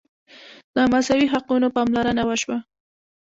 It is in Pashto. د مساوي حقونو پاملرنه وشوه.